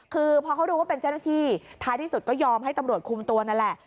คือพอเขารู้ว่าเป็นเจ้าหน้าที่ท้ายที่สุดก็ยอมให้ตำรวจคุมตัวนั่นแหละ